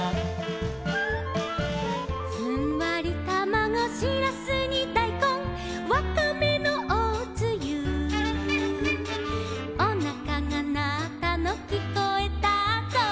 「ふんわりたまご」「しらすにだいこん」「わかめのおつゆ」「おなかがなったのきこえたぞ」